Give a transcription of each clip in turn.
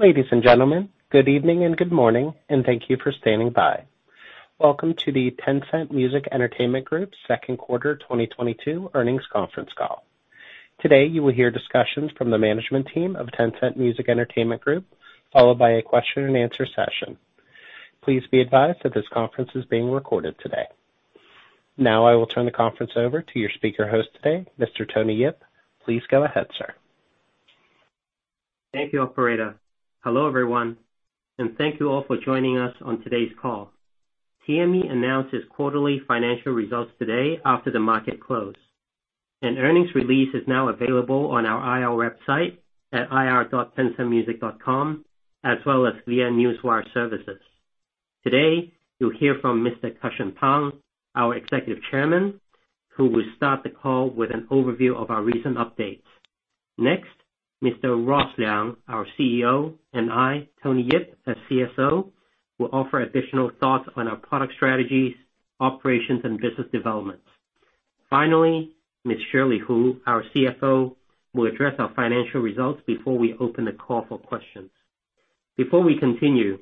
Ladies and gentlemen, good evening and good morning, and thank you for standing by. Welcome to the Tencent Music Entertainment Group second quarter 2022 earnings conference call. Today, you will hear discussions from the management team of Tencent Music Entertainment Group, followed by a question and answer session. Please be advised that this conference is being recorded today. Now I will turn the conference over to your speaker host today, Mr. Tony Yip. Please go ahead, sir. Thank you, operator. Hello, everyone, and thank you all for joining us on today's call. TME announced its quarterly financial results today after the market closed. An earnings release is now available on our IR website at ir.tencentmusic.com, as well as via Newswire Services. Today, you'll hear from Mr. Cussion Pang, our executive chairman, who will start the call with an overview of our recent updates. Next, Mr. Ross Liang, our CEO, and I, Tony Yip, as CSO, will offer additional thoughts on our product strategies, operations, and business developments. Finally, Ms. Shirley Hu, our CFO, will address our financial results before we open the call for questions. Before we continue,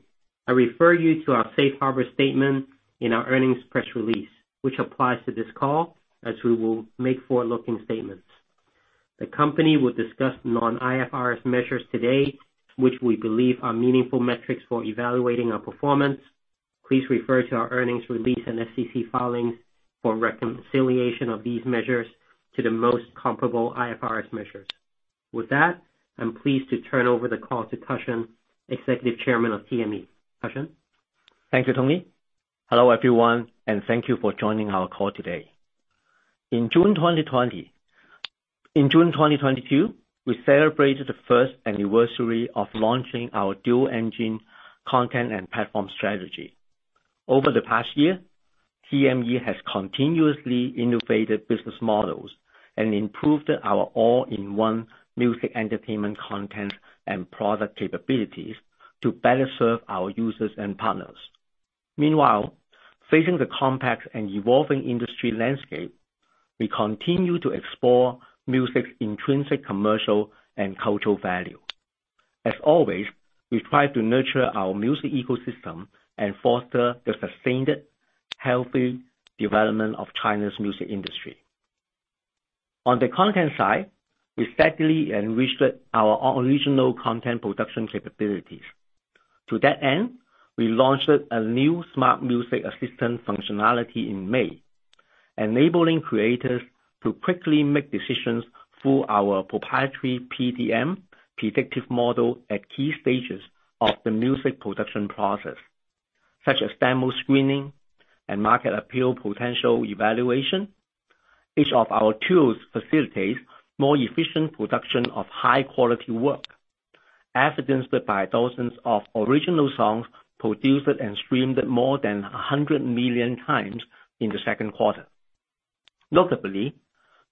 I refer you to our safe harbor statement in our earnings press release, which applies to this call as we will make forward-looking statements. The company will discuss non-IFRS measures today, which we believe are meaningful metrics for evaluating our performance. Please refer to our earnings release and SEC filings for reconciliation of these measures to the most comparable IFRS measures. With that, I'm pleased to turn over the call to Cussion, Executive Chairman of TME. Cussion? Thank you, Tony. Hello, everyone, and thank you for joining our call today. In June 2022, we celebrated the first anniversary of launching our dual engine content and platform strategy. Over the past year, TME has continuously innovated business models and improved our all-in-one music entertainment content and product capabilities to better serve our users and partners. Meanwhile, facing the complex and evolving industry landscape, we continue to explore music's intrinsic commercial and cultural value. As always, we strive to nurture our music ecosystem and foster the sustained healthy development of China's music industry. On the content side, we steadily enriched our original content production capabilities. To that end, we launched a new smart music assistant functionality in May, enabling creators to quickly make decisions through our proprietary PDM predictive model at key stages of the music production process, such as demo screening and market appeal potential evaluation. Each of our tools facilitates more efficient production of high-quality work, evidenced by dozens of original songs produced and streamed more than 100 million times in the second quarter. Notably,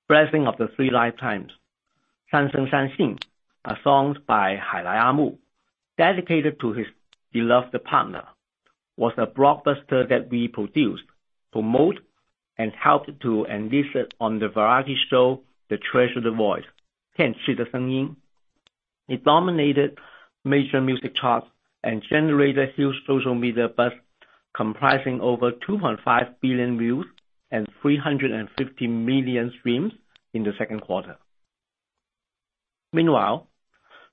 Blessing of the Three Lifetimes, San Sheng San Xing, a song by Hailai Aamu, dedicated to his beloved partner, was a blockbuster that we produced, promote, and helped to enlist it on the variety show, The Treasured Voice, I Can See Your Voice. It dominated major music charts and generated huge social media buzz, comprising over 2.5 billion views and 350 million streams in the second quarter. Meanwhile,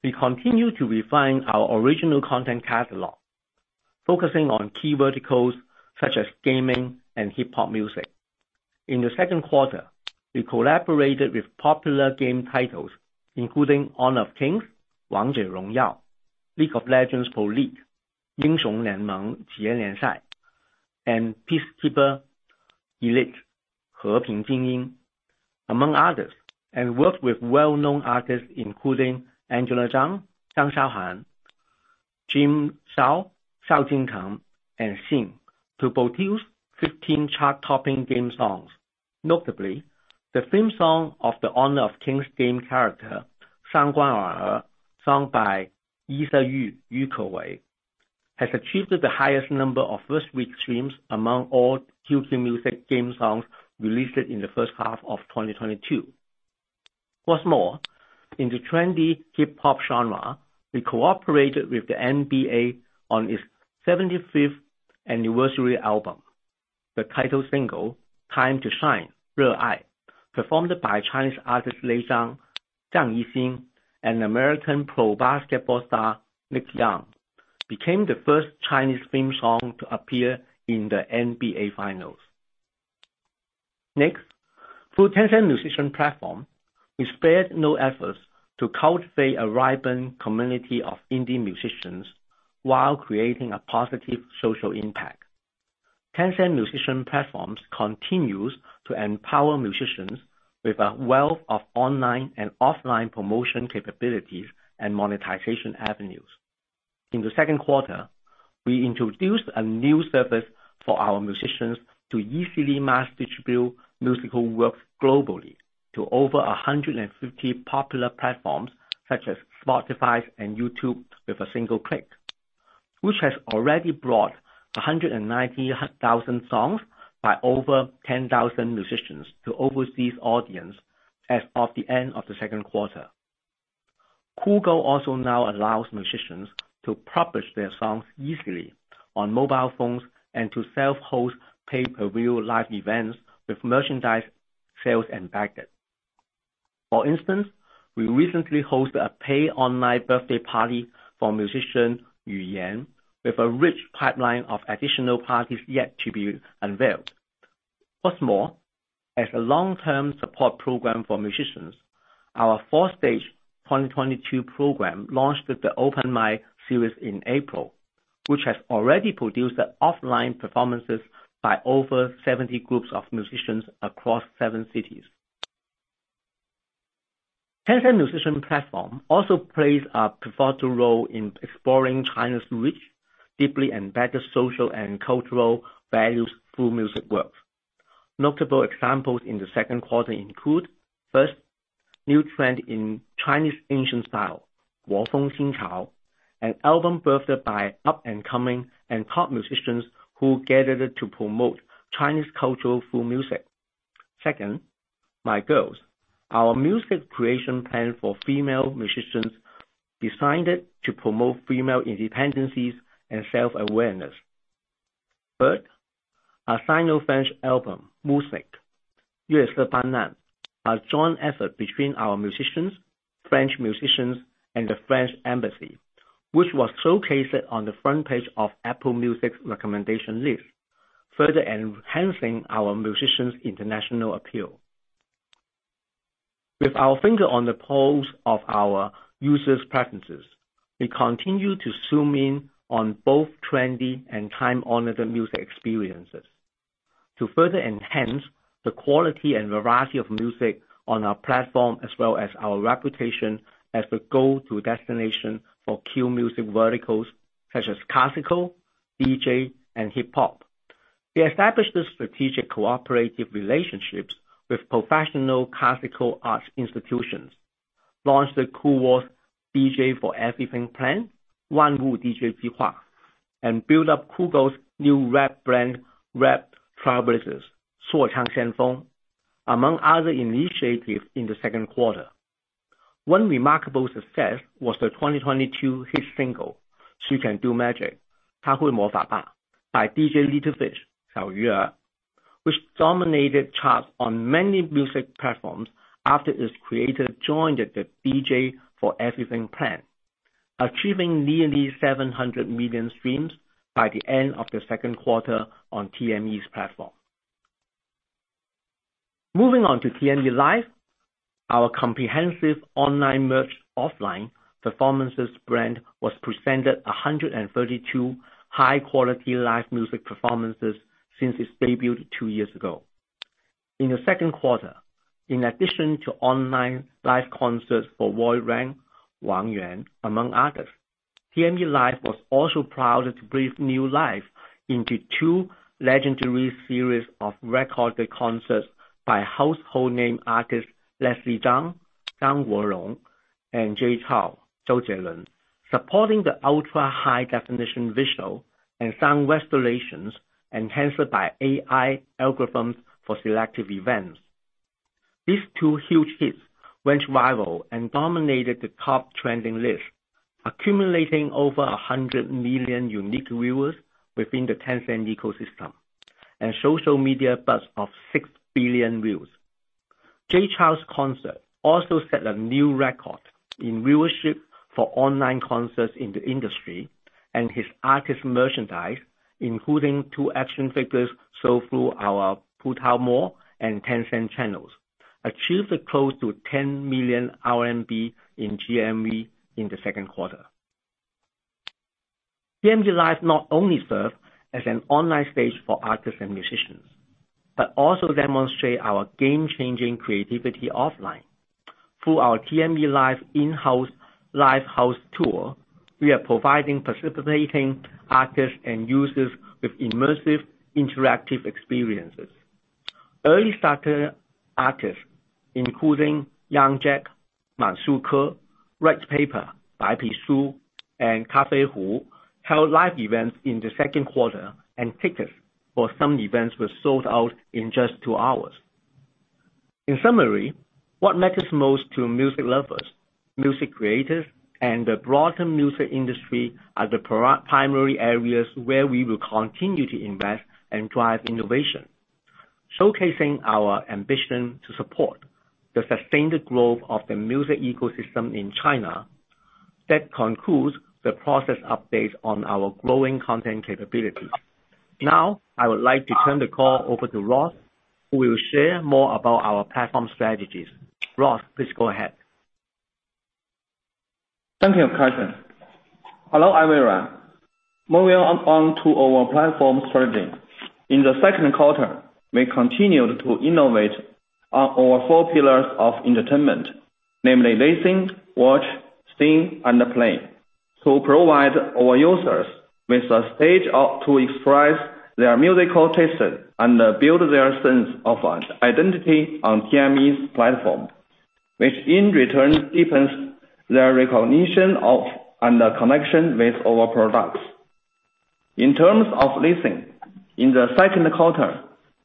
we continue to refine our original content catalog, focusing on key verticals such as gaming and hip-hop music. In the second quarter, we collaborated with popular game titles, including Honor of Kings, Wangzhe Rongyao, League of Legends Pro League, Yingxiong Lianmeng Zhiye Liansai, and Peacekeeper Elite, Heping Jingying, among others, and worked with well-known artists including Angela Zhang Shaohan, Jing Shao Jintang, and Xin Liu to produce 15 chart-topping game songs. Notably, the theme song of the Honor of Kings game character, Shangguan Wan'er, sung by Yisa Yu Kewei, has achieved the highest number of first-week streams among all QQ Music game songs released in the first half of 2022. What's more, in the trendy hip hop genre, we cooperated with the NBA on its 75th anniversary album. The title single, Time to Shine, Re Ai, performed by Chinese artist Lay Zhang Yixing, and American pro basketball star Nick Young, became the first Chinese theme song to appear in the NBA finals. Next, through Tencent Musician Platform, we spared no efforts to cultivate a ripened community of indie musicians while creating a positive social impact. Tencent Musician Platform continues to empower musicians with a wealth of online and offline promotion capabilities and monetization avenues. In the second quarter, we introduced a new service for our musicians to easily mass distribute musical works globally to over 150 popular platforms such as Spotify and YouTube with a single click, which has already brought 190,000 songs by over 10,000 musicians to overseas audience as of the end of the second quarter. Kugou also now allows musicians to publish their songs easily on mobile phones and to self-host pay-per-view live events with merchandise sales embedded. For instance, we recently hosted a paid online birthday party for musician Yu Yan, with a rich pipeline of additional parties yet to be unveiled. What's more, as a long-term support program for musicians, our four-stage 2022 program launched the Open Mic series in April, which has already produced offline performances by over 70 groups of musicians across 7 cities. Tencent Musician Platform also plays a pivotal role in exploring China's rich, deeply embedded social and cultural values through music works. Notable examples in the second quarter include, first, New Trend in Chinese Ancient Style, Gu Feng Xin Chao, an album birthed by up-and-coming and top musicians who gathered to promote Chinese culture through music. Second, My Girls, our music creation plan for female musicians designed to promote female independence and self-awareness. Third, a Sino-French album, MOSAÏQUE, Le Se Ban Lan, a joint effort between our musicians, French musicians, and the French Embassy, which was showcased on the front page of Apple Music's recommendation list, further enhancing our musicians' international appeal. With our finger on the pulse of our users' preferences, we continue to zoom in on both trendy and time-honored music experiences. To further enhance the quality and variety of music on our platform, as well as our reputation as the go-to destination for key music verticals such as classical, DJ, and hip-hop, we established strategic cooperative relationships with professional classical arts institutions, launched the Kuwo's DJ for Everything plan, Kuwo DJ. Built up Kugou's new rap brand, Rap Trailblazers, Shuo Chang Xian Feng, among other initiatives in the second quarter. One remarkable success was the 2022 hit single, She Can Do Magic, Ta Hui Mo Fa Ba, by DJ Little Fish, Xiao Yu Er, which dominated charts on many music platforms after its creator joined the DJ for Everything plan, achieving nearly 700 million streams by the end of the second quarter on TME's platform. Moving on to TME Live, our comprehensive online and offline performances brand was presented 132 high-quality live music performances since it debuted 2 years ago. In the second quarter, in addition to online live concerts for Roy Wang Yuan, among others, TME Live was also proud to breathe new life into two legendary series of recorded concerts by household name artists Leslie Cheung, Zhang Guo Rong, and Jay Chou, Zhou Jie Lun. Supporting the ultra-high definition visual and sound restorations enhanced by AI algorithms for selective events. These two huge hits went viral and dominated the top trending list, accumulating over 100 million unique viewers within the Tencent ecosystem, and social media buzz of 6 billion views. Jay Chou's concert also set a new record in viewership for online concerts in the industry, and his artist merchandise, including two action figures, sold through our Puta Mall and Tencent channels, achieved close to 10 million RMB in GMV in the second quarter. TME Live not only serves as an online stage for artists and musicians, but also demonstrate our game-changing creativity offline. Through our TME Live in-house live house tour, we are providing participating artists and users with immersive interactive experiences. Early starter artists, including Young Jack, Man Shu Ke, Red Paper, Bai Pi Shu, and Hu Yanbin, held live events in the second quarter, and tickets for some events were sold out in just 2 hours. In summary, what matters most to music lovers, music creators, and the broader music industry are the primary areas where we will continue to invest and drive innovation, showcasing our ambition to support the sustained growth of the music ecosystem in China. That concludes the progress update on our growing content capabilities. Now, I would like to turn the call over to Ross, who will share more about our platform strategies. Ross, please go ahead. Thank you, Cussion. Hello, everyone. Moving on to our platform strategy. In the second quarter, we continued to innovate our four pillars of entertainment, namely listening, watch, sing, and play, to provide our users with a stage to express their musical tastes and build their sense of identity on TME's platform, which in return deepens their recognition of and the connection with our products. In terms of listening, in the second quarter,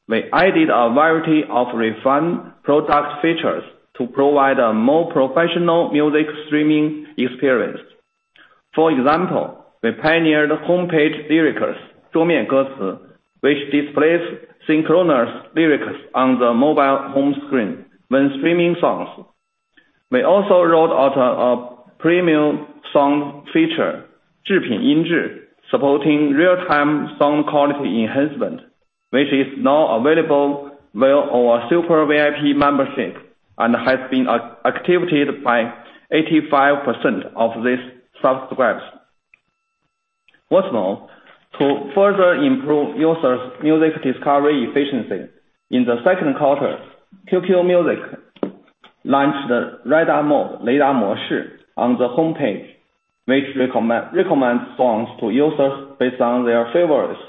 we added a variety of refined product features to provide a more professional music streaming experience. For example, we pioneered Homepage Lyrics, which displays synchronous lyrics on the mobile home screen when streaming songs. We also rolled out a premium song feature, supporting real-time song quality enhancement, which is now available via our Super VIP membership, and has been activated by 85% of these subscribers. What's more, to further improve users' music discovery efficiency, in the second quarter, QQ Music launched the Radar Mode, on the homepage, which recommends songs to users based on their favorites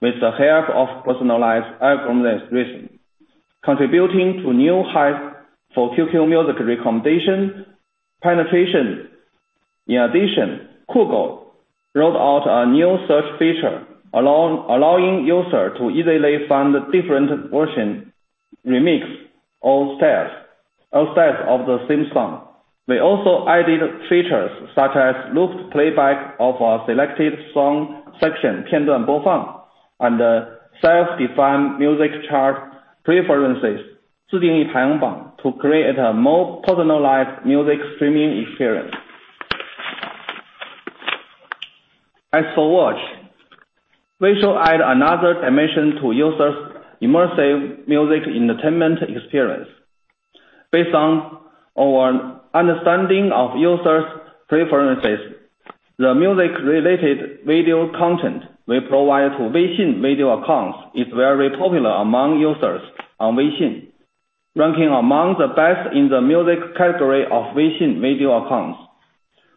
with the help of personalized algorithm-based listening, contributing to new heights for QQ Music recommendation penetration. In addition, Kugou rolled out a new search feature allowing users to easily find the different version remix or styles of the same song. We also added features such as looped playback of a selected song section, and self-defined music chart preferences, to create a more personalized music streaming experience. As for WeSing, we shall add another dimension to users' immersive music entertainment experience. Based on our understanding of users' preferences, the music related video content we provide to WeChat Video Accounts is very popular among users on WeChat, ranking among the best in the music category of WeChat Video Accounts.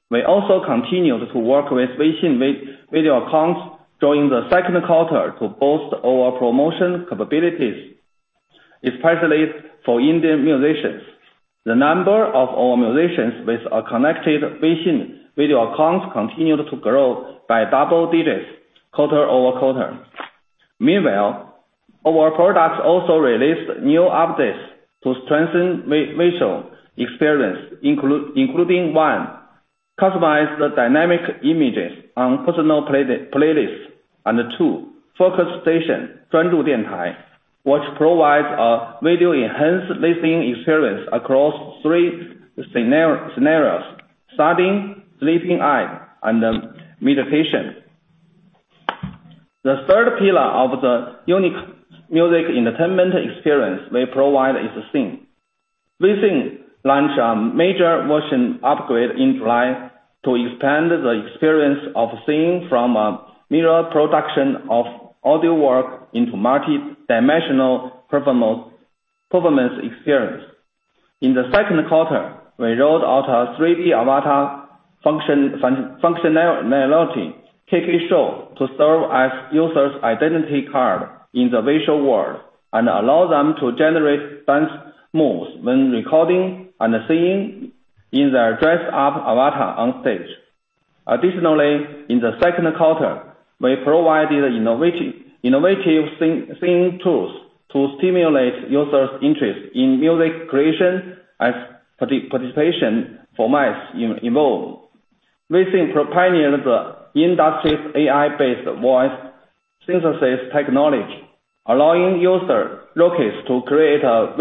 We also continued to work with WeChat Video Accounts during the second quarter to boost our promotion capabilities, especially for indie musicians. The number of our musicians with a connected WeChat Video Accounts continued to grow by double digits quarter-over-quarter. Meanwhile, our products also released new updates to strengthen visual experience including one, customized dynamic images on personal playlists and two, Focus Station, which provides a video enhanced listening experience across three scenarios, studying, sleeping aid, and meditation. The third pillar of the unique music entertainment experience we provide is WeSing. WeSing launched a major version upgrade in July to expand the experience of singing from a mere production of audio work into multidimensional performance experience. In the second quarter, we rolled out a 3D avatar functionality, QQ Show, to serve as users' identity card in the visual world and allow them to generate dance moves when recording and singing in their dressed up avatar on stage. Additionally, in the second quarter, we provided innovative singing tools to stimulate users' interest in music creation as participation formats evolve. WeSing pioneered the industry's AI-based voice synthesis technology, allowing user rookies to create a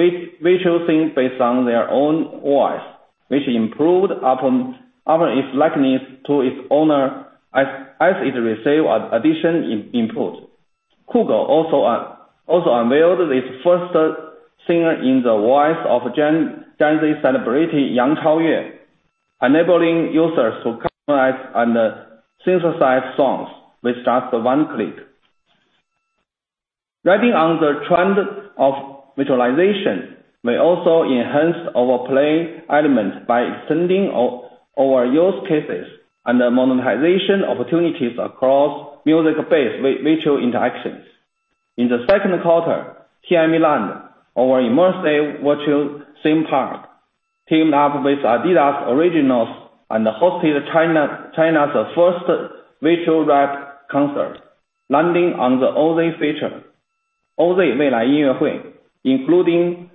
visual scene based on their own voice, which improved upon its likeness to its owner as it received additional input. Kugou also unveiled its first singer in the voice of Gen Z celebrity Yang Chaoyue, enabling users to customize and synthesize songs with just one click. Riding on the trend of visualization, we also enhanced our play elements by extending our use cases and the monetization opportunities across music based visual interactions. In the second quarter, TME Land, our immersive virtual theme park, teamed up with Adidas Originals and hosted China's first virtual rap concert, landing on the OZ feature, including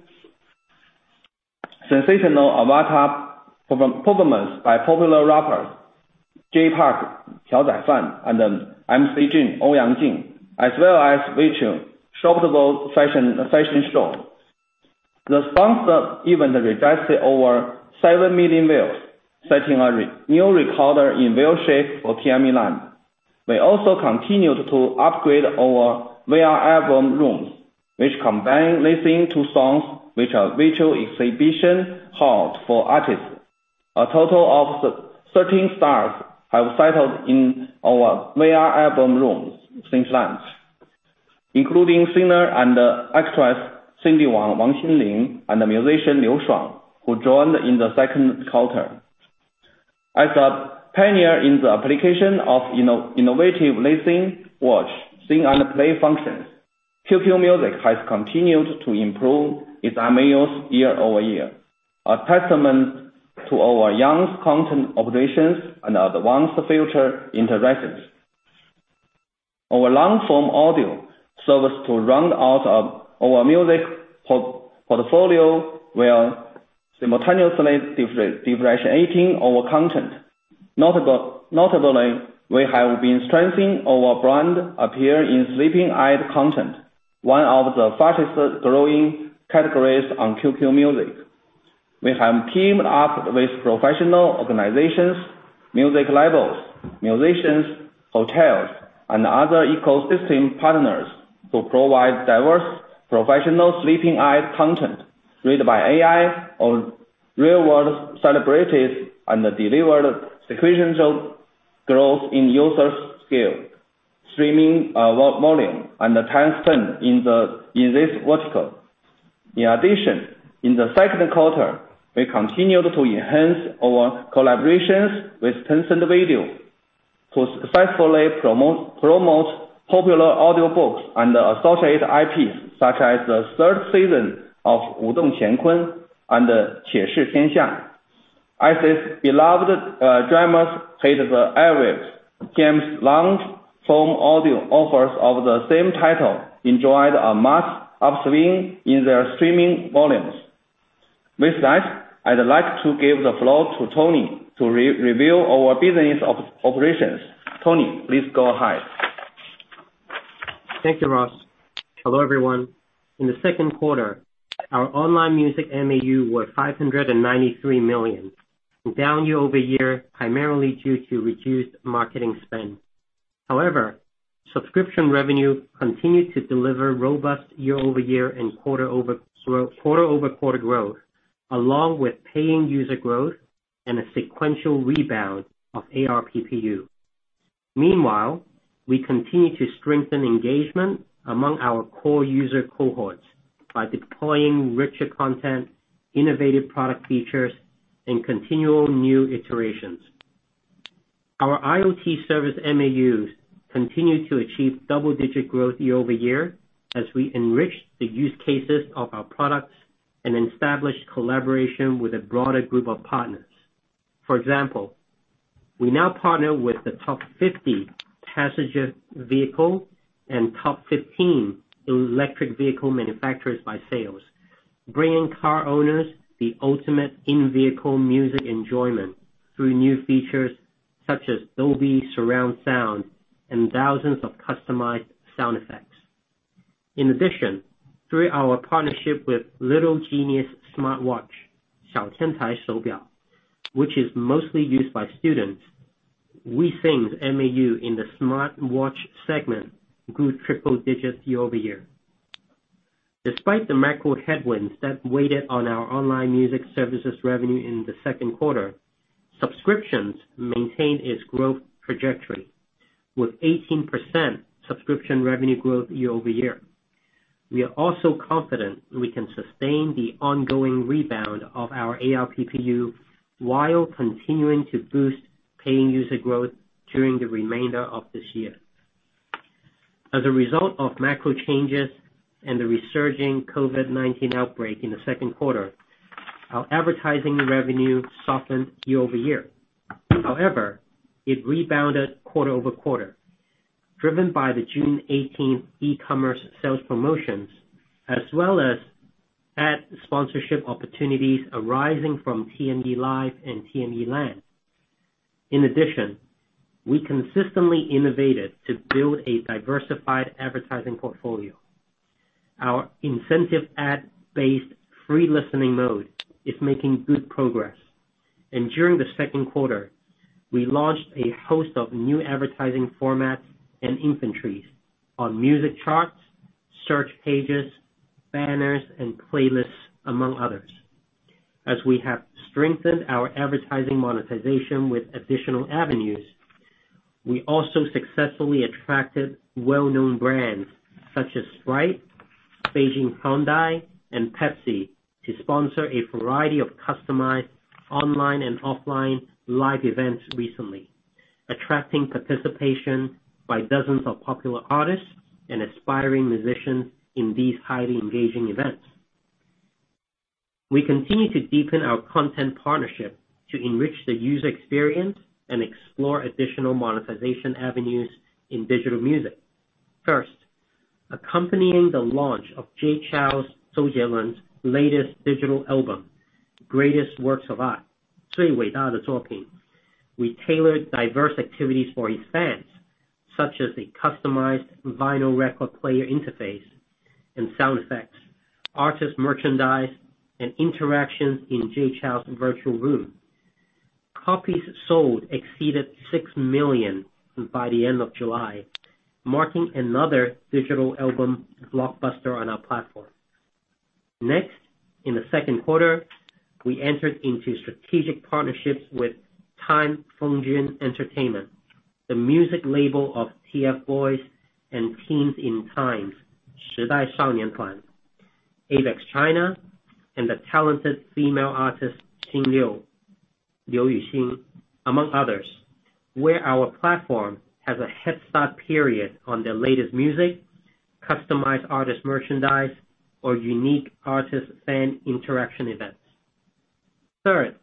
sensational avatar performance by popular rappers Jay Park, Xiao Zai Fan and MC Jin, Ouyang Jing, as well as virtual shoppable fashion show. The sponsor event registered over 7 million views, setting a new record in viewship for TME Land. We also continued to upgrade our VR album rooms, which combine listening to songs with a virtual exhibition hall for artists. A total of 13 stars have settled in our VR album rooms since launch, including singer and actress Cyndi Wang Xinling and musician Liu Shuang, who joined in the second quarter. As a pioneer in the application of innovative listening, watch, sing, and play functions, QQ Music has continued to improve its MAUs year-over-year, a testament to our young content operations and advanced feature interactions. Our long-form audio serves to round out our music portfolio while simultaneously differentiating our content. Notably, we have been strengthening our brand appeal in sleeping aid content, one of the fastest growing categories on QQ Music. We have teamed up with professional organizations, music labels, musicians, hotels, and other ecosystem partners to provide diverse professional sleeping aid content read by AI or real-world celebrities, and delivered sequential growth in users scale, streaming, volume, and the time spent in this vertical. In addition, in the second quarter, we continued to enhance our collaborations with Tencent Video to successfully promote popular audiobooks and associated IPs such as the third season of 芒种前坤 and 天下. As his beloved dramas hit the airwaves, James Lang's long-form audio offerings of the same title enjoyed a marked upswing in their streaming volumes. With that, I'd like to give the floor to Tony to review our business operations. Tony, please go ahead. Thank you, Ross. Hello, everyone. In the second quarter, our online music MAU was 593 million, down year-over-year, primarily due to reduced marketing spend. However, subscription revenue continued to deliver robust year-over-year and quarter-over-quarter growth, along with paying user growth and a sequential rebound of ARPPU. Meanwhile, we continue to strengthen engagement among our core user cohorts by deploying richer content, innovative product features, and continual new iterations. Our IoT service MAUs continued to achieve double-digit growth year-over-year as we enriched the use cases of our products and established collaboration with a broader group of partners. For example, we now partner with the top 50 passenger vehicle and top 15 electric vehicle manufacturers by sales, bringing car owners the ultimate in-vehicle music enjoyment through new features such as Dolby Surround sound and thousands of customized sound effects. In addition, through our partnership with Little Genius Smartwatch, 小天才手表, which is mostly used by students, WeSing's MAU in the smartwatch segment grew triple digits year-over-year. Despite the macro headwinds that weighed on our online music services revenue in the second quarter, subscriptions maintained its growth trajectory, with 18% subscription revenue growth year-over-year. We are also confident we can sustain the ongoing rebound of our ARPPU while continuing to boost paying user growth during the remainder of this year. As a result of macro changes and the resurging COVID-19 outbreak in the second quarter, our advertising revenue softened year-over-year. However, it rebounded quarter-over-quarter, driven by the June 18 e-commerce sales promotions as well as ad sponsorship opportunities arising from TME Live and TME Land. In addition, we consistently innovated to build a diversified advertising portfolio. Our incentive ad-based free listening mode is making good progress. During the second quarter, we launched a host of new advertising formats and inventories on music charts, search pages, banners, and playlists, among others. As we have strengthened our advertising monetization with additional avenues, we also successfully attracted well-known brands such as Sprite, Beijing Hyundai, and Pepsi to sponsor a variety of customized online and offline live events recently, attracting participation by dozens of popular artists and aspiring musicians in these highly engaging events. We continue to deepen our content partnership to enrich the user experience and explore additional monetization avenues in digital music. First, accompanying the launch of Jay Chou's 周杰伦 latest digital album, Greatest Works of Art, 最伟大的作品, we tailored diverse activities for his fans, such as a customized vinyl record player interface and sound effects, artist merchandise, and interactions in Jay Chou's virtual room. Copies sold exceeded 6 million by the end of July, marking another digital album blockbuster on our platform. Next, in the second quarter, we entered into strategic partnerships with Time Fengjun Entertainment, the music label of TFBOYS and Teens in Times, 时代少年团. Avex China, and the talented female artist Xin Liu Yuxin, among others, where our platform has a head start period on their latest music, customized artist merchandise, or unique artist-fan interaction events. Third,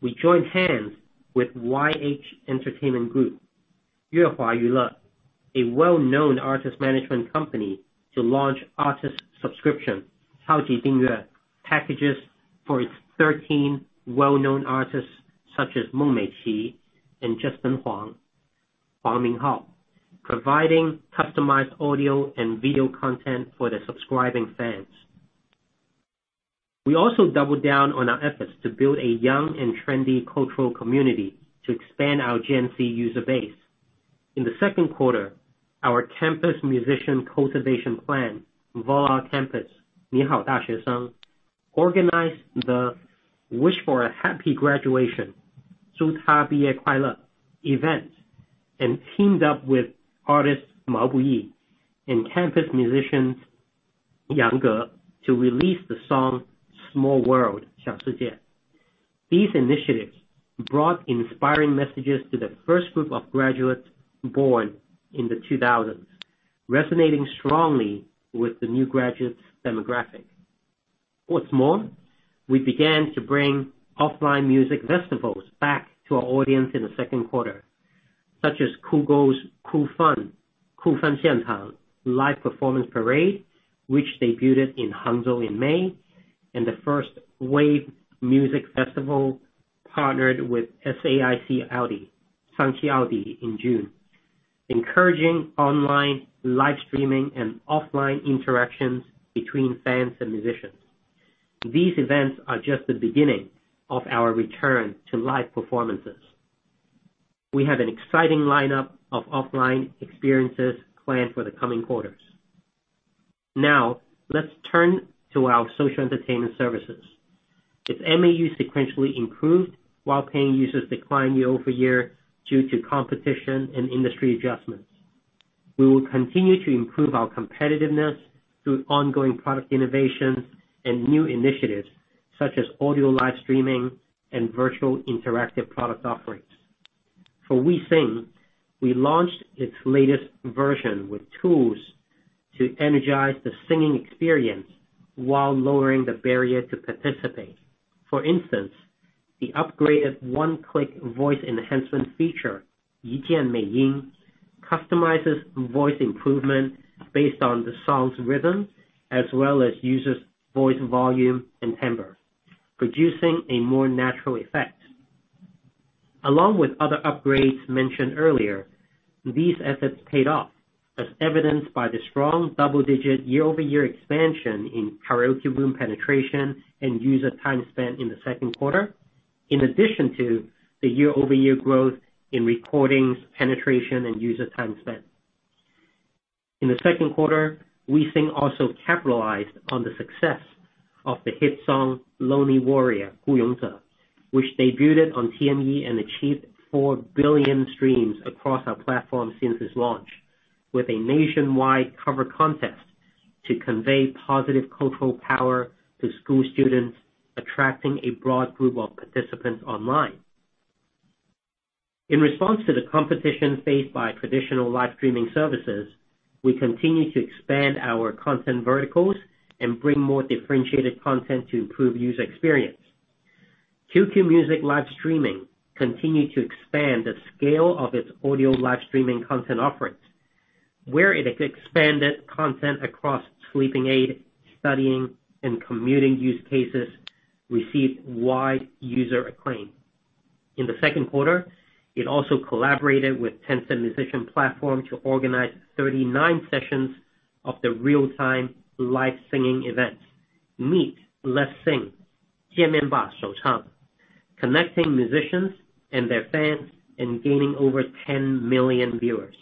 we joined hands with YH Entertainment Group, Yuehua Entertainment, a well-known artist management company, to launch artist subscription Chaoji Dingyue packages for its 13 well-known artists, such as Meng Meiqi and Justin Huang Minghao, providing customized audio and video content for their subscribing fans. We also doubled down on our efforts to build a young and trendy cultural community to expand our Gen Z user base. In the second quarter, our campus musician cultivation plan, Voila Campus, Ni Hao, Daxuesheng, organized the Wish for a Happy Graduation, Zhù Tā Bìyè Kuàilè, event and teamed up with artist Mao Buyi and campus musician Yang Ge to release the song Small World, Xiao Shijie. These initiatives brought inspiring messages to the first group of graduates born in the 2000s, resonating strongly with the new graduates' demographic. What's more, we began to bring offline music festivals back to our audience in the second quarter, such as Kugou's Cool Fun, Kufan Xianchang, live performance parade, which debuted in Hangzhou in May, and the first WAVE Music Festival partnered with SAIC Audi in June, encouraging online live streaming and offline interactions between fans and musicians. These events are just the beginning of our return to live performances. We have an exciting lineup of offline experiences planned for the coming quarters. Now, let's turn to our social entertainment services. Its MAU sequentially improved while paying users declined year-over-year due to competition and industry adjustments. We will continue to improve our competitiveness through ongoing product innovations and new initiatives, such as audio live streaming and virtual interactive product offerings. For WeSing, we launched its latest version with tools to energize the singing experience while lowering the barrier to participate. For instance, the upgraded one-click voice enhancement feature, Yijian Meiyin, customizes voice improvement based on the song's rhythm as well as user's voice volume and timbre, producing a more natural effect. Along with other upgrades mentioned earlier, these efforts paid off, as evidenced by the strong double-digit year-over-year expansion in karaoke room penetration and user time spent in the second quarter, in addition to the year-over-year growth in recordings, penetration, and user time spent. In the second quarter, WeSing also capitalized on the success of the hit song Lonely Warrior, Gū yǒng zhě, which debuted on TME and achieved 4 billion streams across our platform since its launch, with a nationwide cover contest to convey positive cultural power to school students, attracting a broad group of participants online. In response to the competition faced by traditional live streaming services, we continue to expand our content verticals and bring more differentiated content to improve user experience. QQ Music Live Streaming continued to expand the scale of its audio live streaming content offerings, where it expanded content across sleeping aid, studying, and commuting use cases, received wide user acclaim. In the second quarter, it also collaborated with Tencent Musician Platform to organize 39 sessions of the real-time live singing events, Meet, Let's Sing, Jianmen Ba Shouchang, connecting musicians and their fans and gaining over 10 million viewers.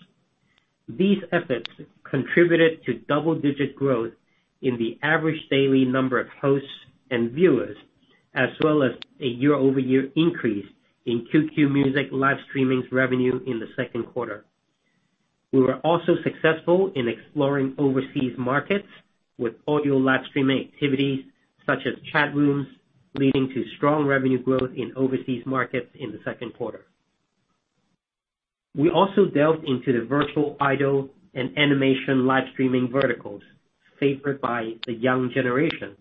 These efforts contributed to double-digit growth in the average daily number of hosts and viewers, as well as a year-over-year increase in QQ Music Live Streaming's revenue in the second quarter. We were also successful in exploring overseas markets with audio live streaming activities such as chat rooms, leading to strong revenue growth in overseas markets in the second quarter. We also delved into the virtual idol and animation live streaming verticals favored by the young generation.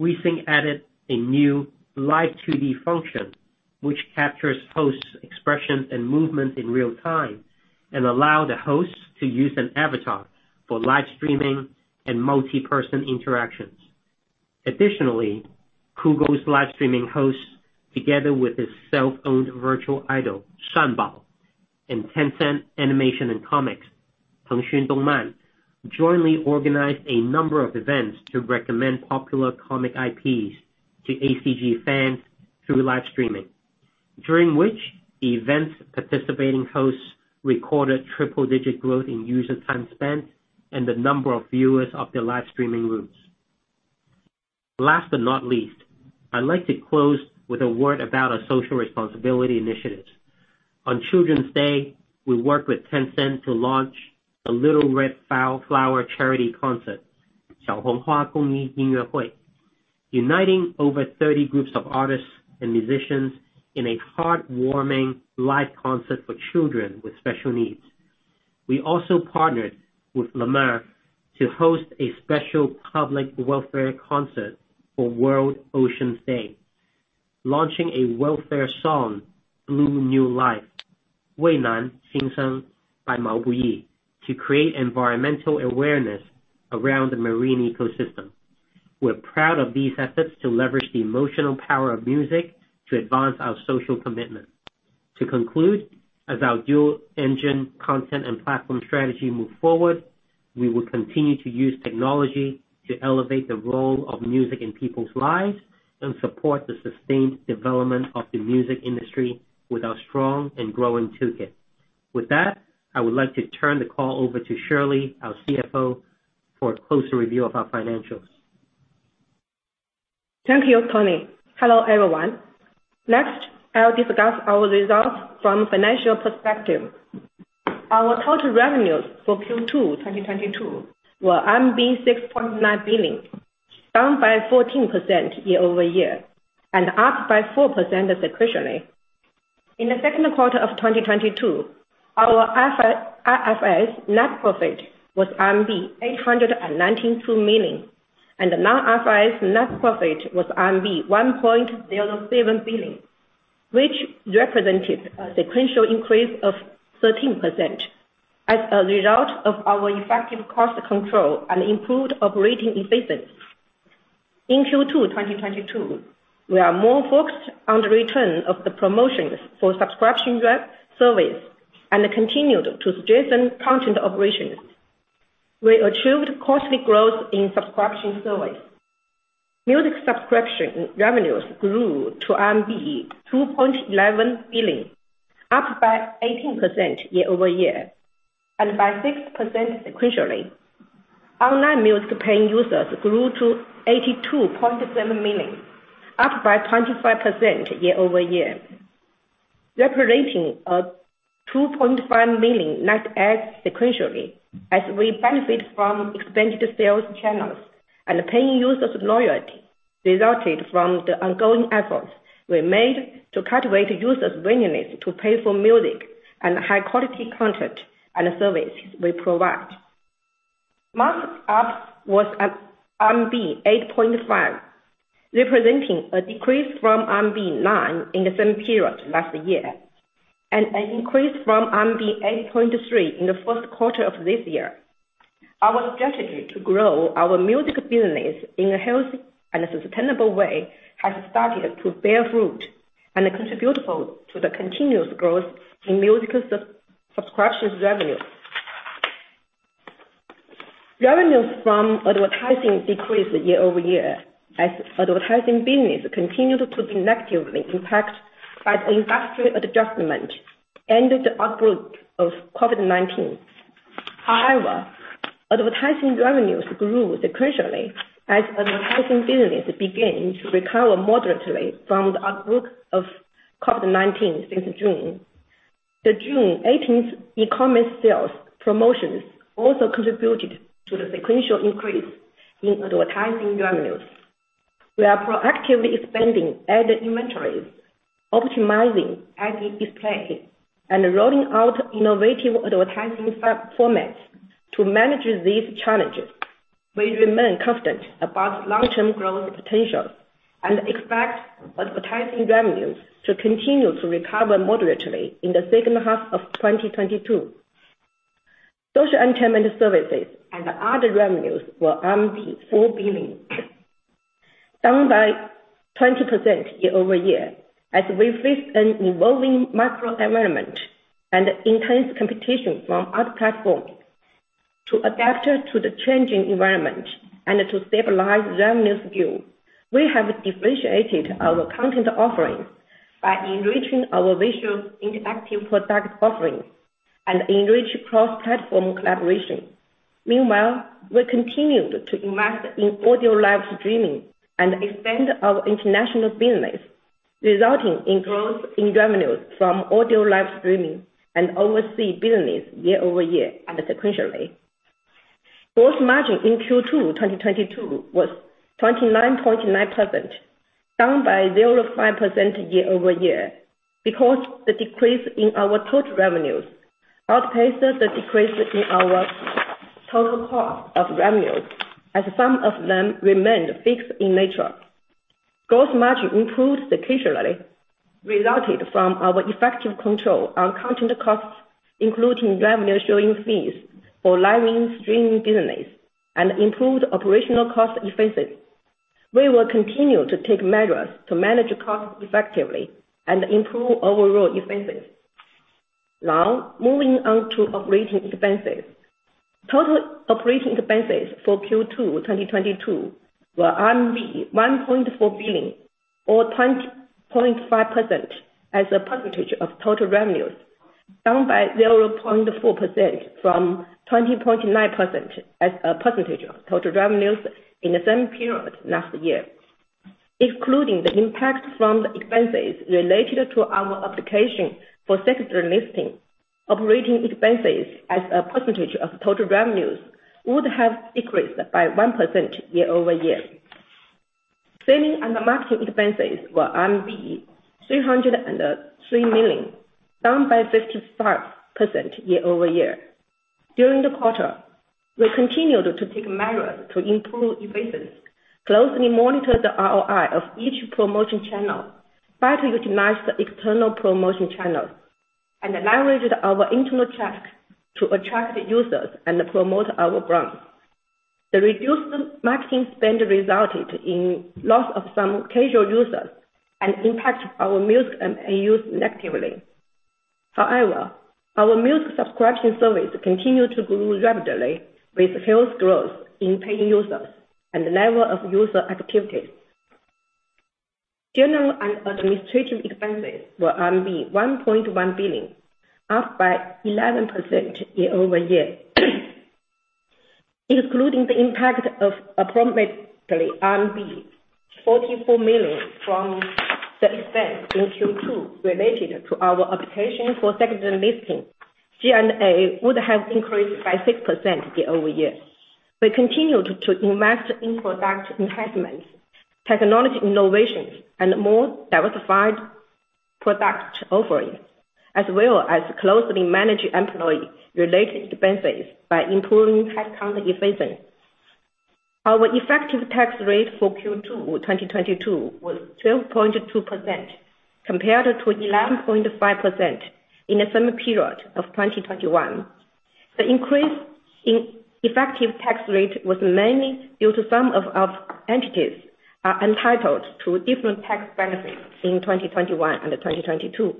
WeSing added a new Live2D function, which captures hosts' expressions and movement in real time and allow the hosts to use an avatar for live streaming and multi-person interactions. Additionally, Kugou's live streaming hosts, together with its self-owned virtual idol, Shanbao, and Tencent Animation and Comics, Tengxun Dongman, jointly organized a number of events to recommend popular comic IPs to ACG fans through live streaming, during which the event's participating hosts recorded triple-digit growth in user time spent and the number of viewers of their live streaming rooms. Last but not least, I'd like to close with a word about our social responsibility initiatives. On Children's Day, we worked with Tencent to launch the Little Red Flower Charity Concert, uniting over 30 groups of artists and musicians in a heartwarming live concert for children with special needs. We also partnered with La Mer to host a special public welfare concert for World Oceans Day, launching a welfare song, Blue New Life, by Mao Buyi to create environmental awareness around the marine ecosystem. We're proud of these efforts to leverage the emotional power of music to advance our social commitment. To conclude, as our dual-engine content and platform strategy move forward, we will continue to use technology to elevate the role of music in people's lives and support the sustained development of the music industry with our strong and growing toolkit. With that, I would like to turn the call over to Shirley, our CFO, for a closer review of our financials. Thank you, Tony. Hello, everyone. Next, I'll discuss our results from a financial perspective. Our total revenues for Q2 2022 were 6.9 billion, down 14% year-over-year and up 4% sequentially. In the second quarter of 2022, our IFRS net profit was RMB 892 million, and the non-IFRS net profit was RMB 1.07 billion, which represented a sequential increase of 13% as a result of our effective cost control and improved operating efficiency. In Q2 2022, we were more focused on the return on the promotions for subscription service and continued to strengthen content operations. We achieved solid growth in subscription service. Music subscription revenues grew to RMB 2.11 billion, up 18% year-over-year and by 6% sequentially. Online music paying users grew to 82.7 million, up 25% year-over-year. 2.5 million net adds sequentially as we benefit from expanded sales channels and paying users' loyalty resulted from the ongoing efforts we made to cultivate users' willingness to pay for music and high-quality content and services we provide. ARPU was at RMB 8.5 million, representing a decrease from RMB 9 million in the same period last year, and an increase from RMB 8.3 million in the first quarter of this year. Our strategy to grow our music business in a healthy and sustainable way has started to bear fruit and contributing to the continuous growth in music subscriptions revenue. Revenue from advertising decreased year-over-year as advertising business continued to be negatively impacted by the industry adjustment and the outbreak of COVID-19. However, advertising revenues grew sequentially as advertising business began to recover moderately from the outbreak of COVID-19 since June. The June 18th e-commerce sales promotions also contributed to the sequential increase in advertising revenues. We are proactively expanding ad inventories, optimizing ad display, and rolling out innovative advertising formats to manage these challenges. We remain confident about long-term growth potential and expect advertising revenues to continue to recover moderately in the second half of 2022. Social entertainment services and other revenues were 4 billion, down 20% year-over-year as we face an evolving macro environment and intense competition from other platforms. To adapt to the changing environment and to stabilize revenue skew, we have differentiated our content offerings by enriching our visual interactive product offerings and enrich cross-platform collaboration. Meanwhile, we continued to invest in audio live streaming and expand our international business, resulting in growth in revenues from audio live streaming and overseas business year-over-year and sequentially. Gross margin in Q2 2022 was 29.9%, down by 0.5% year-over-year because the decrease in our total revenues outpaced the decrease in our total cost of revenues, as some of them remained fixed in nature. Gross margin improved sequentially, resulting from our effective control on content costs, including revenue-sharing fees for live stream business and improved operational cost efficiency. We will continue to take measures to manage costs effectively and improve overall efficiency. Now, moving on to operating expenses. Total operating expenses for Q2 2022 were 1.4 billion or 20.5% as a percentage of total revenues. Down by 0.4% from 20.9% as a percentage of total revenues in the same period last year. Including the impact from the expenses related to our application for secondary listing, operating expenses as a percentage of total revenues would have decreased by 1% year-over-year. Selling and marketing expenses were RMB 303 million, down by 55% year-over-year. During the quarter, we continued to take measures to improve efficiency, closely monitor the ROI of each promotion channel, better utilize the external promotion channels, and leveraged our internal channels to attract users and promote our brands. The reduced marketing spend resulted in loss of some casual users and impacted our music and MAU negatively. However, our music subscription service continued to grow rapidly with huge growth in paying users and level of user activities. General and administrative expenses were 1.1 billion, up by 11% year-over-year. Including the impact of approximately RMB 44 million from the expense in Q2 related to our application for secondary listing, G&A would have increased by 6% year-over-year. We continued to invest in product enhancements, technology innovations, and more diversified product offerings, as well as closely manage employee related expenses by improving headcount efficiency. Our effective tax rate for Q2 2022 was 12.2% compared to 11.5% in the same period of 2021. The increase in effective tax rate was mainly due to the fact that some of our entities are entitled to different tax benefits in 2021 and 2022.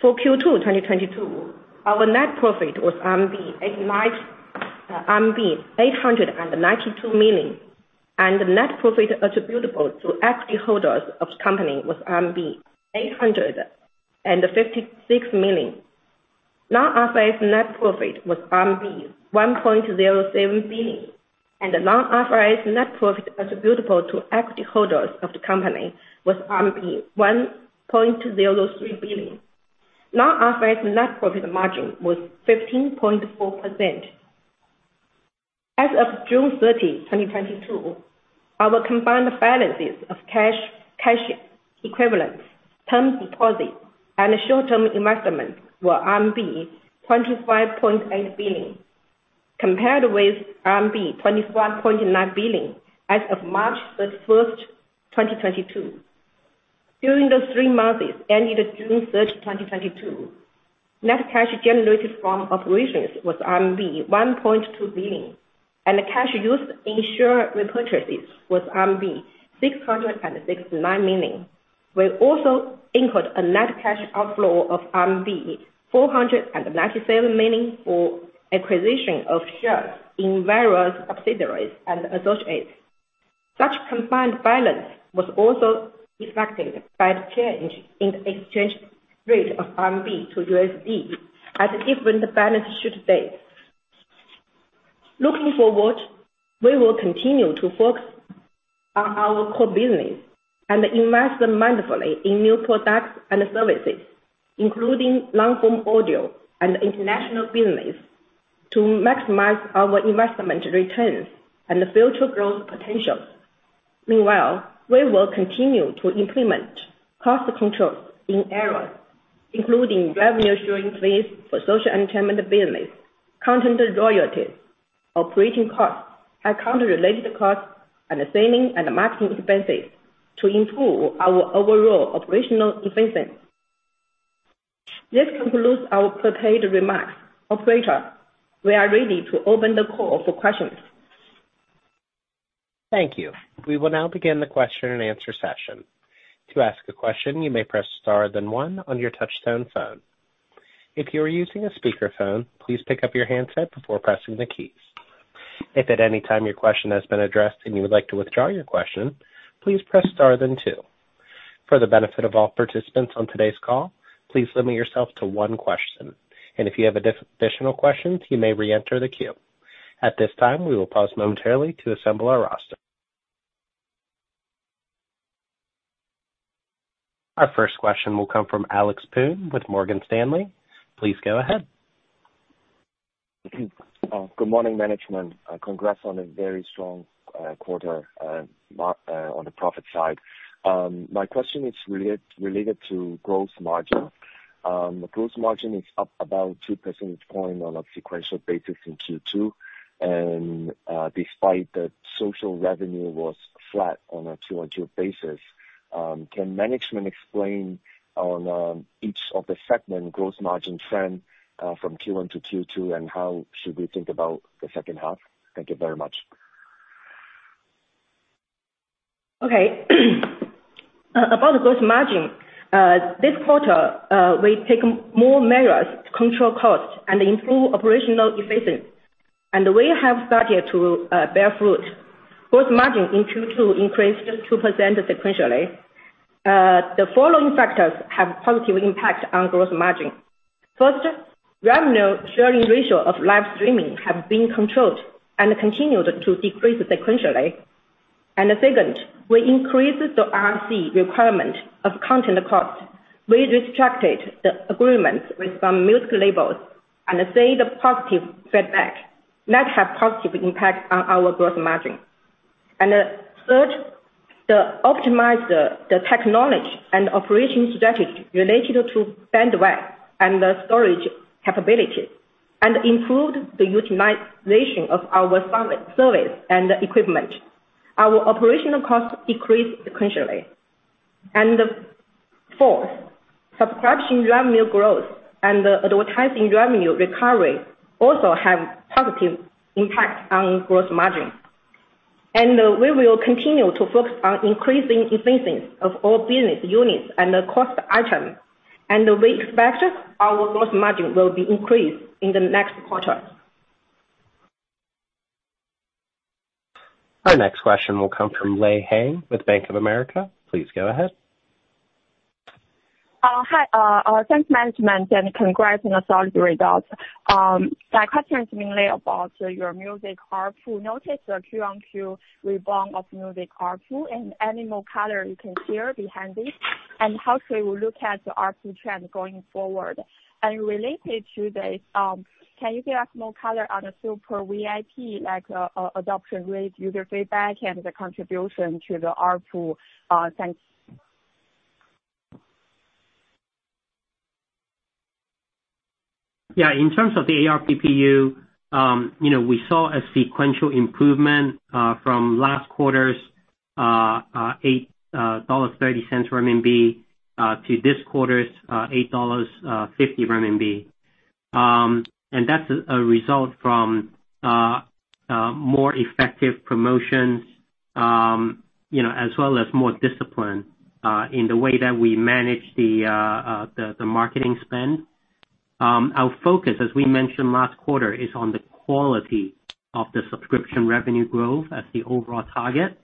For Q2 2022, our net profit was RMB 892 million, and net profit attributable to equity holders of the company was RMB 856 million. Non-IFRS net profit was 1.07 billion RMB, and the non-IFRS net profit attributable to equity holders of the company was RMB 1.03 billion. Non-IFRS net profit margin was 15.4%. As of June 30, 2022, our combined balances of cash equivalents, term deposits, and short-term investments were RMB 25.8 billion, compared with RMB 25.9 billion as of March 31st, 2022. During the 3 months ended June 30, 2022, net cash generated from operations was RMB 1.2 billion, and the cash used in share repurchases was RMB 669 million. We also incurred a net cash outflow of RMB 497 million for acquisition of shares in various subsidiaries and associates. Such combined balance was also affected by the change in exchange rate of RMB to USD at different balance sheet base. Looking forward, we will continue to focus on our core business and invest mindfully in new products and services, including long-form audio and international business, to maximize our investment returns and future growth potential. Meanwhile, we will continue to implement cost controls in areas including revenue sharing fees for social entertainment business, content royalties, operating costs, account related costs, and selling and marketing expenses to improve our overall operational efficiency. This concludes our prepared remarks. Operator, we are ready to open the call for questions. Thank you. We will now begin the question and answer session. To ask a question, you may press star then one on your touch-tone phone. If you are using a speakerphone, please pick up your handset before pressing the keys. If at any time your question has been addressed and you would like to withdraw your question, please press star then two. For the benefit of all participants on today's call, please limit yourself to one question. If you have additional questions, you may reenter the queue. At this time, we will pause momentarily to assemble our roster. Our first question will come from Alex Poon with Morgan Stanley. Please go ahead. Good morning, management. Congrats on a very strong quarter on the profit side. My question is related to gross margin. The gross margin is up about 2 percentage points on a sequential basis in Q2, and despite that social revenue was flat on a Q-over-Q basis. Can management comment on each of the segment gross margin trends from Q1 to Q2, and how should we think about the second half? Thank you very much. Okay. About the gross margin, this quarter, we take more measures to control costs and improve operational efficiency. We have started to bear fruit. Gross margin in Q2 increased 2% sequentially. The following factors have positive impact on gross margin. First, revenue sharing ratio of live streaming have been controlled and continued to decrease sequentially. Second, we increased the RC requirement of content cost. We restricted the agreements with some music labels and see the positive feedback that have positive impact on our gross margin. Third, the optimizer, the technology and operation strategy related to bandwidth and the storage capabilities, and improved the utilization of our service and equipment. Our operational costs decreased sequentially. Fourth, subscription revenue growth and advertising revenue recovery also have positive impact on gross margin. We will continue to focus on increasing efficiencies of all business units and the cost item. We expect our gross margin will be increased in the next quarter. Our next question will come from Lei Huang with Bank of America. Please go ahead. Hi, thanks management and congrats on the solid results. My question is mainly about your music ARPU. Notice the Q-on-Q rebound of music ARPU and any more color you can share behind this, and how should we look at the ARPU trend going forward. Related to this, can you give us more color on the Super VIP, like, adoption rate, user feedback, and the contribution to the ARPU? Thanks. Yeah. In terms of the ARPU, you know, we saw a sequential improvement from last quarter's 8.30 billion RMB to this quarter's 8.50 billion RMB. That's a result from more effective promotions, you know, as well as more discipline in the way that we manage the marketing spend. Our focus, as we mentioned last quarter, is on the quality of the subscription revenue growth as the overall target,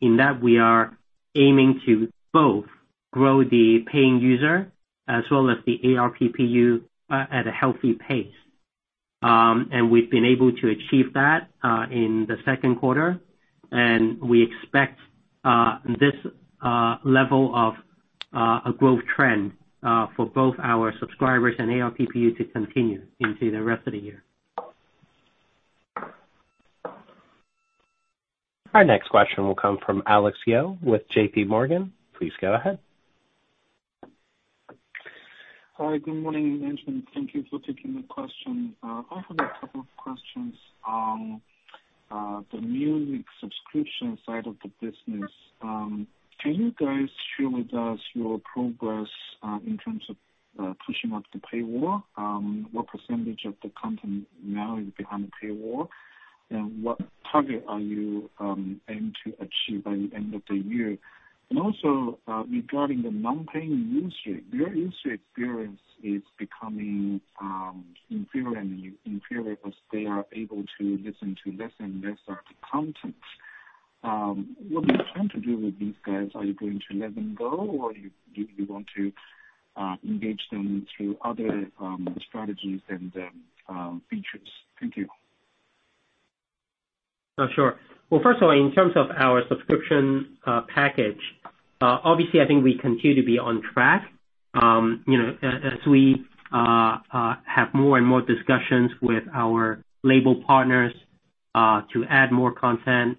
in that we are aiming to both grow the paying user as well as the ARPU at a healthy pace. We've been able to achieve that in the second quarter, and we expect this level of a growth trend for both our subscribers and ARPU to continue into the rest of the year. Our next question will come from Alex Yao with JPMorgan. Please go ahead. Hi, good morning management. Thank you for taking the question. I have a couple of questions on the music subscription side of the business. Can you guys share with us your progress in terms of pushing up the paywall? What percentage of the content now is behind the paywall? And what target are you aim to achieve by the end of the year? And also, regarding the non-paying user, their user experience is becoming inferior as they are able to listen to less and less of the content. What are you trying to do with these guys? Are you going to let them go, or do you want to engage them through other strategies and features? Thank you. Sure. Well, first of all, in terms of our subscription package, obviously I think we continue to be on track. You know, as we have more and more discussions with our label partners to add more content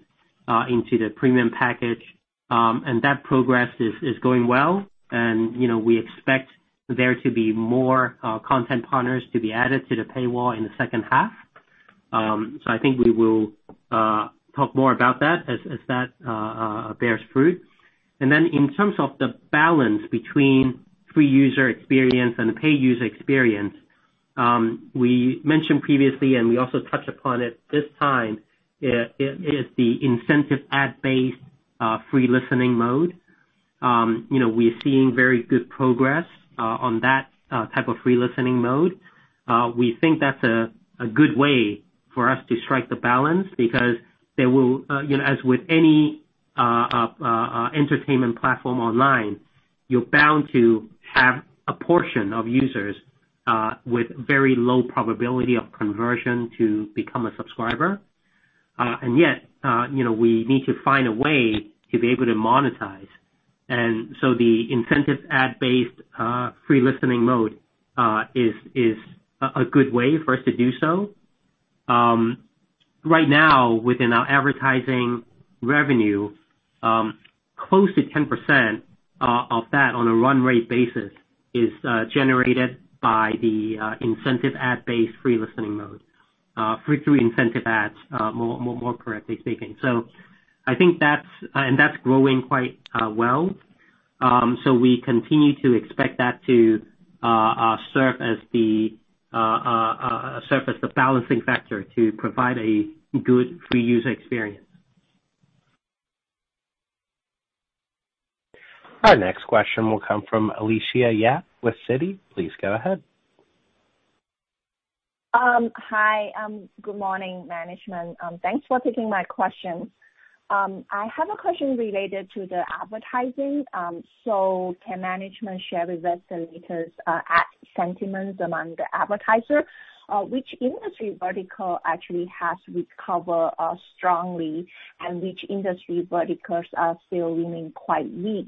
into the premium package, and that progress is going well. You know, we expect there to be more content partners to be added to the paywall in the second half. I think we will talk more about that as that bears fruit. In terms of the balance between free user experience and the paid user experience, we mentioned previously and we also touched upon it this time, is the incentive ad-based free listening mode. You know, we're seeing very good progress on that type of free listening mode. We think that's a good way for us to strike the balance because there will, you know, as with any entertainment platform online, you're bound to have a portion of users with very low probability of conversion to become a subscriber. Yet, you know, we need to find a way to be able to monetize. The incentive ad-based free listening mode is a good way for us to do so. Right now within our advertising revenue, close to 10% of that on a run rate basis is generated by the incentive ad-based free listening mode. Free through incentive ads, more correctly speaking. I think that's, and that's growing quite well. We continue to expect that to serve as the balancing factor to provide a good free user experience. Our next question will come from Alicia Yap with Citi. Please go ahead. Hi. Good morning, management. Thanks for taking my question. I have a question related to the advertising. Can management share with us the latest ad sentiments among the advertisers? Which industry vertical actually has recovered strongly, and which industry verticals are still remaining quite weak?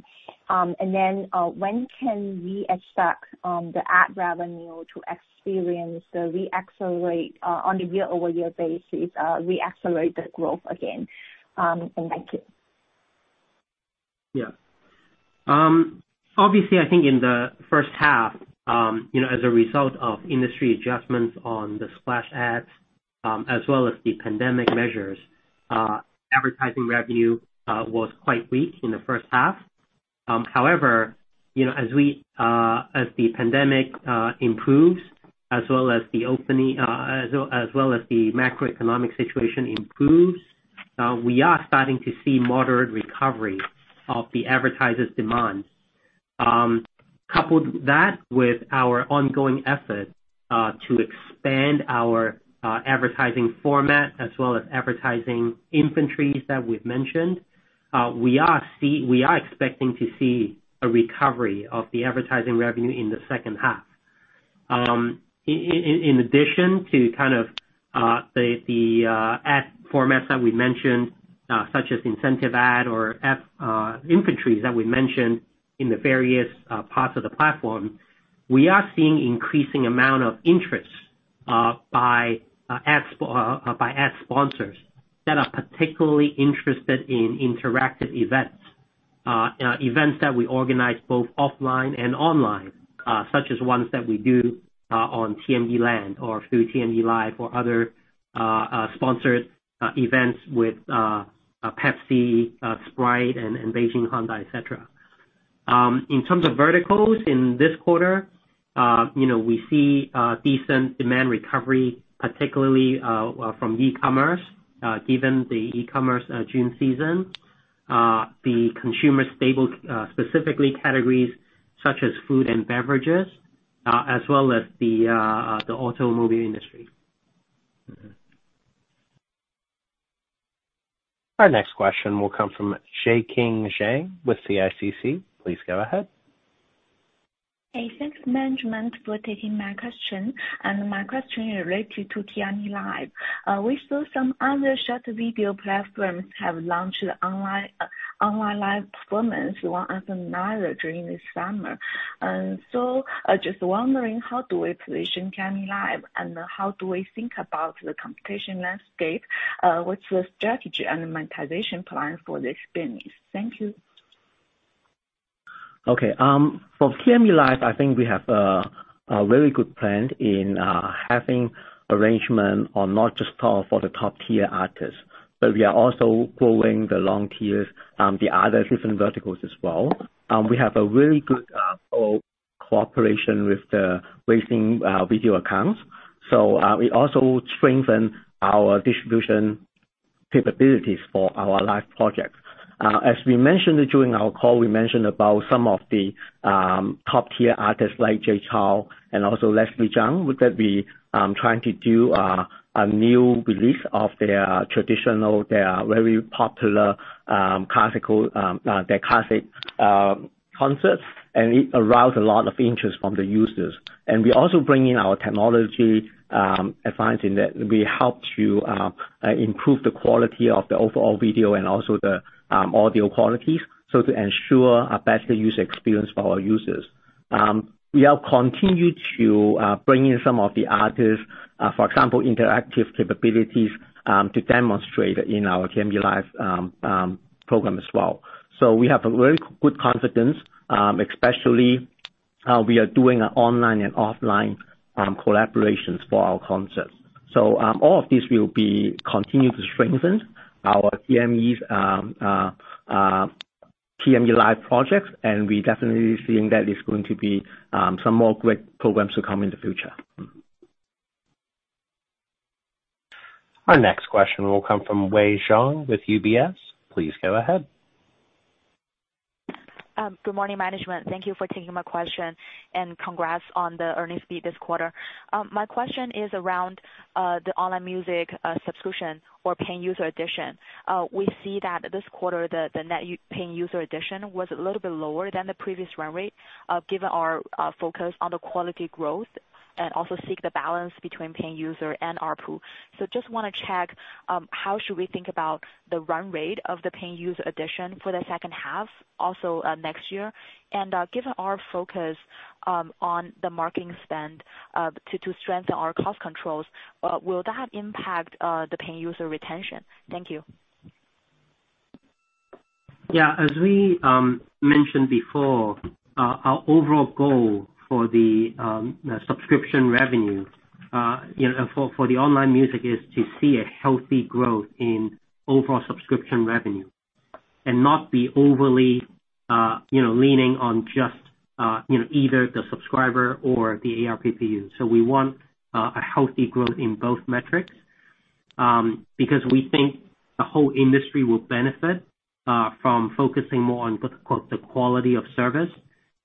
When can we expect the ad revenue to experience reacceleration on a year-over-year basis, reaccelerate the growth again? Thank you. Yeah. Obviously, I think in the first half, you know, as a result of industry adjustments on the splash ads, as well as the pandemic measures, advertising revenue was quite weak in the first half. However, you know, as the pandemic improves as well as the opening, as well as the macroeconomic situation improves, we are starting to see moderate recovery of the advertisers' demands. Coupled that with our ongoing effort to expand our advertising format as well as advertising inventories that we've mentioned, we are expecting to see a recovery of the advertising revenue in the second half. In addition to kind of, the ad formats that we mentioned, such as incentive ad or inventories that we mentioned in the various parts of the platform, we are seeing increasing amount of interest by ad sponsors that are particularly interested in interactive events that we organize both offline and online, such as ones that we do on TME Land or through TME Live or other sponsored events with Pepsi, Sprite and Beijing Hyundai, et cetera. In terms of verticals, in this quarter, you know, we see decent demand recovery, particularly from e-commerce, given the e-commerce June season. The consumer staples, specifically categories such as food and beverages, as well as the automobile industry. Mm-hmm. Our next question will come from Xueqing Zhang with CICC. Please go ahead. Hey. Thanks, management, for taking my question, and my question related to TME Live. We saw some other short video platforms have launched online live performance one after another during this summer. Just wondering, how do we position TME Live, and how do we think about the competition landscape? What's the strategy and monetization plan for this business? Thank you. Okay. For TME Live, I think we have a very good plan in having arrangement on not just for the top-tier artists, but we are also growing the long tail, the other different verticals as well. We have a very good cooperation with the WeChat Video Accounts. We also strengthen our distribution capabilities for our live projects. As we mentioned during our call about some of the top-tier artists like Jay Chou and also Leslie Cheung, that we trying to do a new release of their very popular classical concerts, and it aroused a lot of interest from the users. We also bring in our technology, advancing that will help to improve the quality of the overall video and also the audio quality, so to ensure a better user experience for our users. We have continued to bring in some of the artists, for example, interactive capabilities, to demonstrate in our TME Live program as well. We have a very good confidence, especially, we are doing online and offline collaborations for our concerts. All of this will be continue to strengthen our TME's TME Live projects, and we definitely seeing that there's going to be some more great programs to come in the future. Our next question will come from Wei Xiong with UBS. Please go ahead. Good morning, management. Thank you for taking my question, and congrats on the earnings beat this quarter. My question is around the online music subscription or paying user addition. We see that this quarter, the net paying user addition was a little bit lower than the previous run rate, given our focus on the quality growth and also seek the balance between paying user and ARPU. Just wanna check how should we think about the run rate of the paying user addition for the second half, also next year? Given our focus on the marketing spend to strengthen our cost controls, will that impact the paying user retention? Thank you. Yeah. As we mentioned before, our overall goal for the subscription revenue, you know, for the online music is to see a healthy growth in overall subscription revenue and not be overly, you know, leaning on just, you know, either the subscriber or the ARPPU. We want a healthy growth in both metrics. Because we think the whole industry will benefit from focusing more on the quality of service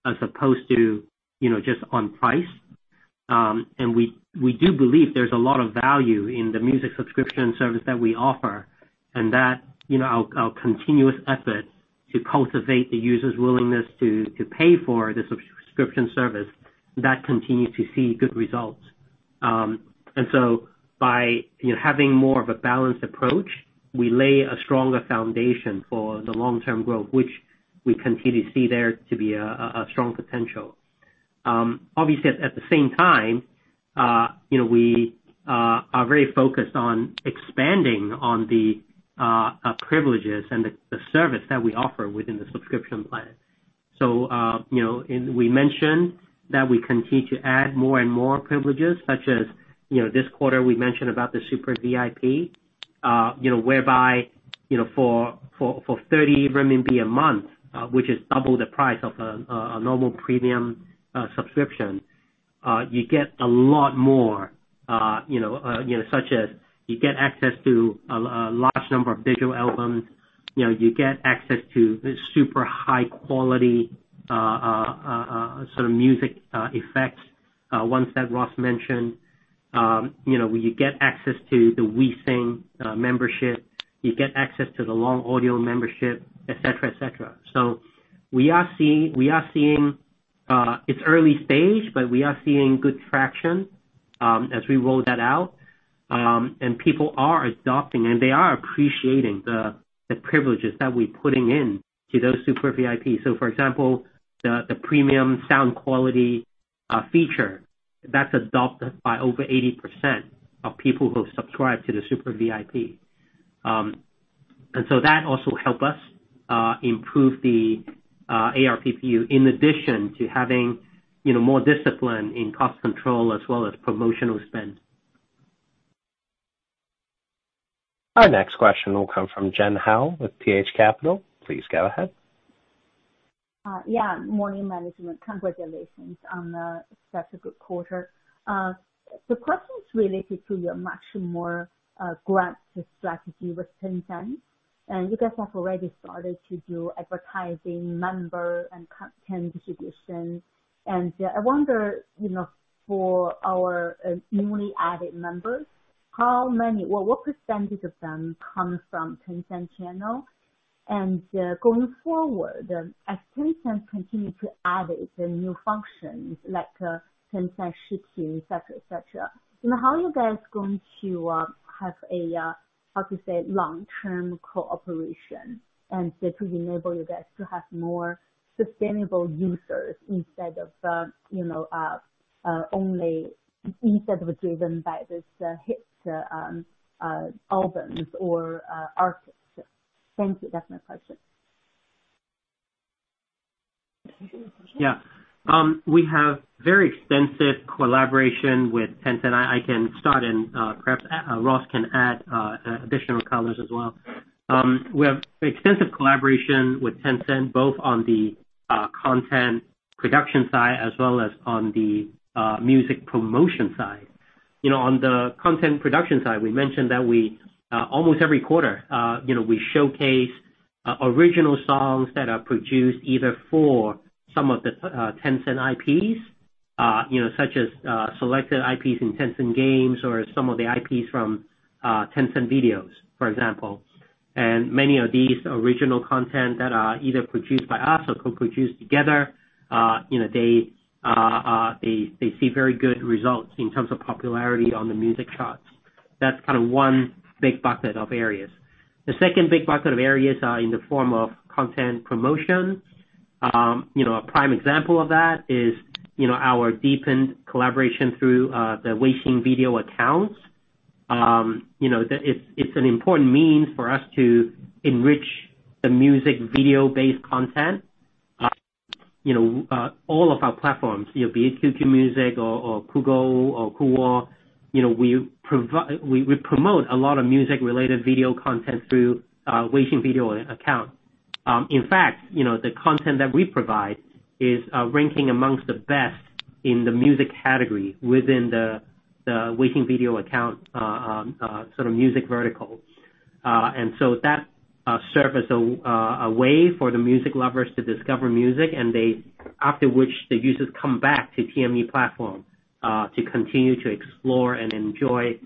as opposed to, you know, just on price. We do believe there's a lot of value in the music subscription service that we offer, and that, you know, our continuous effort to cultivate the user's willingness to pay for the subscription service continues to see good results. By, you know, having more of a balanced approach, we lay a stronger foundation for the long-term growth, which we continue to see there to be a strong potential. Obviously at the same time, you know, we are very focused on expanding on the privileges and the service that we offer within the subscription plan. You know, we mentioned that we continue to add more and more privileges such as, you know, this quarter we mentioned about the Super VIP, you know, whereby, you know, for 30 RMB a month, which is double the price of a normal premium subscription, you get a lot more, you know, you know, such as you get access to a large number of digital albums, you know, you get access to the super high quality sort of music effects ones that Ross mentioned. You know, you get access to the WeSing membership. You get access to the long audio membership, et cetera, et cetera. We are seeing. It's early stage, but we are seeing good traction as we roll that out. People are adopting and they are appreciating the privileges that we're putting into those Super VIP. For example, the premium sound quality feature that's adopted by over 80% of people who subscribe to the Super VIP. That also help us improve the ARPU in addition to having, you know, more discipline in cost control as well as promotional spend. Our next question will come from Tian Hou with TH Capital. Please go ahead. Morning, management. Congratulations on such a good quarter. The question is related to your much more granular strategy with Tencent, and you guys have already started to do advertising, membership and content distribution. I wonder, you know, for your newly added members, what percentage of them come from Tencent channel? Going forward, as Tencent continue to add the new functions like Tencent Shipin, etc., etc., you know, how are you guys going to have a long-term cooperation and so to enable you guys to have more sustainable users instead of, you know, only driven by these hit albums or artists? Thank you. That's my question. Yeah. We have very extensive collaboration with Tencent. I can start and perhaps Ross can add additional colors as well. We have extensive collaboration with Tencent, both on the content production side as well as on the music promotion side. You know, on the content production side, we mentioned that we almost every quarter, you know, we showcase original songs that are produced either for some of the Tencent IPs, you know, such as selected IPs in Tencent Games or some of the IPs from Tencent Video, for example. Many of these original content that are either produced by us or co-produced together, you know, they see very good results in terms of popularity on the music charts. That's kinda one big bucket of areas. The second big bucket of areas are in the form of content promotion. You know, a prime example of that is, you know, our deepened collaboration through the WeSing Video Accounts. You know, It's an important means for us to enrich the music video-based content, you know, all of our platforms, you know, be it QQ Music or Kugou or Kuwo, you know, we promote a lot of music-related video content through WeSing Video Accounts. In fact, you know, the content that we provide is ranking amongst the best in the music category within the WeSing Video Accounts, sort of music vertical. That serve as a way for the music lovers to discover music and they. After which the users come back to TME platform to continue to explore and enjoy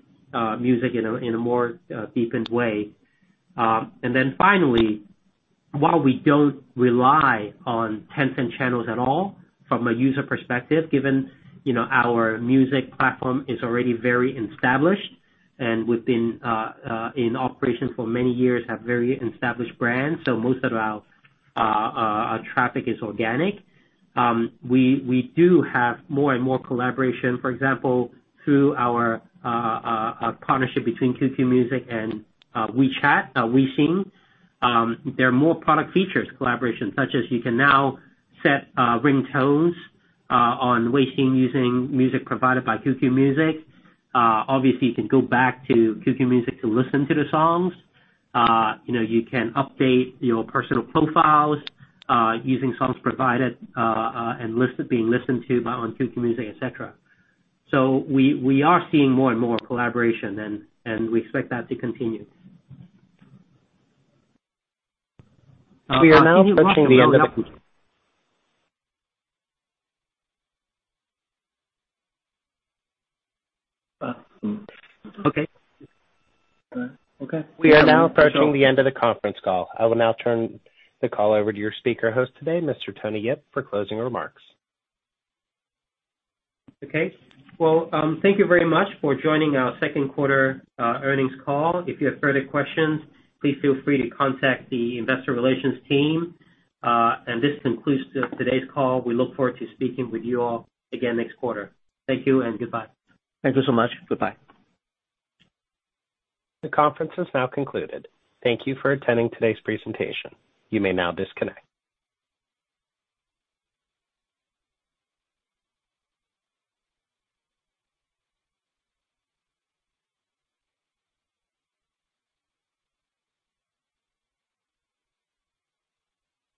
music in a more deepened way. While we don't rely on Tencent channels at all from a user perspective, given you know our music platform is already very established, and we've been in operation for many years, have very established brands, so most of our our traffic is organic, we do have more and more collaboration, for example, through our partnership between QQ Music and WeChat WeSing. There are more product features collaboration such as you can now set ringtones on WeSing using music provided by QQ Music. Obviously you can go back to QQ Music to listen to the songs. You know, you can update your personal profiles using songs provided and being listened to on QQ Music, etc. We are seeing more and more collaboration and we expect that to continue. We are now approaching the end of the con. Okay. Okay. We are now approaching the end of the conference call. I will now turn the call over to your speaker host today, Mr. Tony Yip, for closing remarks. Okay. Well, thank you very much for joining our second quarter earnings call. If you have further questions, please feel free to contact the investor relations team. This concludes today's call. We look forward to speaking with you all again next quarter. Thank you and goodbye. Thank you so much. Goodbye. The conference is now concluded. Thank you for attending today's presentation. You may now disconnect.